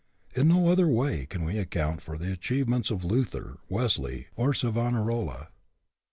In no other way can we account for the achievements of Luther, Wesley, or Savonarola.